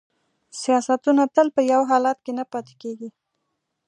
سیاستونه تل په یو حالت کې نه پاتیږي